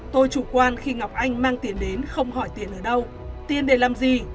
tôi chủ quan khi ngọc anh mang tiền đến không hỏi tiền ở đâu tiền để làm gì